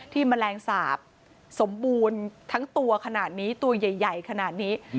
แมลงสาปสมบูรณ์ทั้งตัวขนาดนี้ตัวใหญ่ขนาดนี้